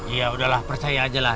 ya udahlah percaya aja lah